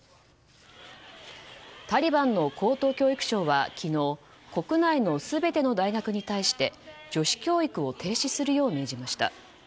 タリバンの高等教育省は昨日国内の全ての大学に対して女子教育を停止するよう命じました。